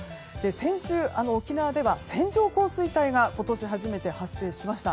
先週、沖縄では線状降水帯が今年初めて発生しました。